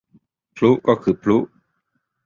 พลุก็คือพลุ